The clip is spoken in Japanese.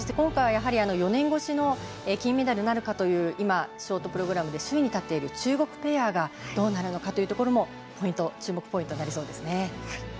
やはり、今回は４年越しの金メダルなるかという今、ショートプログラムで首位に立っている中国ペアがどうなるのかというところも注目ポイントになりそうですね。